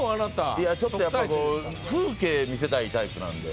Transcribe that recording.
いやちょっとやっぱりこう風景見せたいタイプなんで。